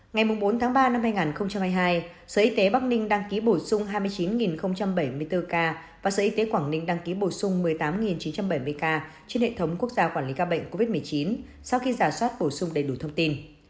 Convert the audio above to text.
ngày bốn tháng ba năm hai nghìn hai mươi hai sở y tế bắc ninh đăng ký bổ sung hai mươi chín bảy mươi bốn ca và sở y tế quảng ninh đăng ký bổ sung một mươi tám chín trăm bảy mươi ca trên hệ thống quốc gia quản lý ca bệnh covid một mươi chín sau khi giả soát bổ sung đầy đủ thông tin